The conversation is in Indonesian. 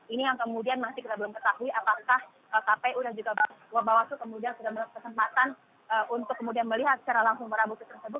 ini yang kemudian masih kita belum ketahui apakah kpu dan juga bawaslu kemudian sudah mendapat kesempatan untuk kemudian melihat secara langsung barang bukti tersebut